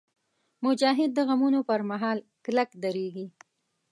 مجاهد د غمونو پر مهال کلک درېږي.